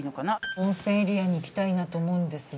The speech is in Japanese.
温泉エリアに行きたいなと思うんですが。